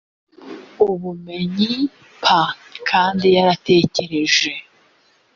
ubumenyi p kandi yaratekereje